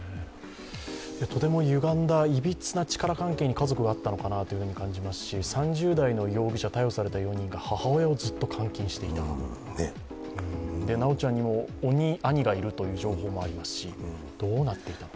とても、ゆがんだ、いびつな力関係に家族があったのかなと感じますし３０代の容疑者、逮捕された４人が母親をずっと監禁していた、修ちゃんにも兄がいるという情報もありますし、どうなっているのか。